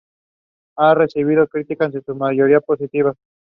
Liu Hongji lost all his titles and positions.